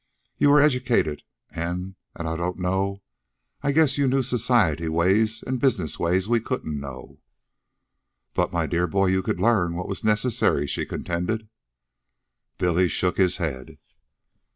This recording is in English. You were educated, an'... an' I don't know, I guess you knew society ways an' business ways we couldn't know." "But, my dear boy, you could learn what was necessary," she contended. Billy shook his head.